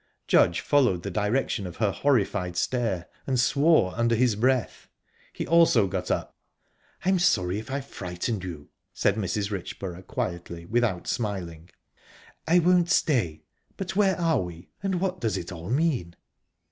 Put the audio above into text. Judge followed the direction of her horrified stare, and swore under his breath; he also got up. "I'm sorry if I've frightened you," said Mrs. Richborough quietly, without smiling. "I won't stay but where are we, and what does it all mean?"